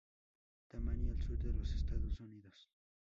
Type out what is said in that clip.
Tammany al sur de los Estados Unidos.